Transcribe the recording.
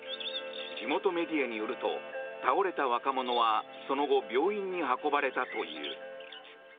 地元メディアによると倒れた若者はその後、病院に運ばれたという。